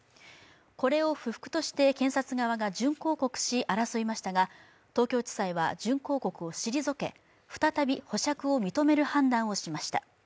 これを不服として検察側が準抗告し、争いましたが、東京地裁は準抗告を退け、再び保釈を認める判断をしました。